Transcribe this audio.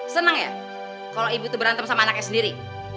senang ya kalo ibu tuh berantem sama anaknya sendiri